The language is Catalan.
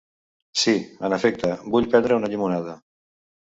Sí, en efecte, vull prendre una llimonada.